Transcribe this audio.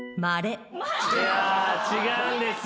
いや違うんですよ。